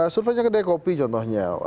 survei kedai kopi contohnya